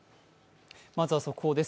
まずは速報です。